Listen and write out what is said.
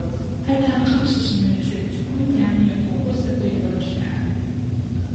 Атакъэм щыщынэрэ кӀэлэ цӀыкӀум янэ икъогъу зыкъуигъэбылъыхьагъ.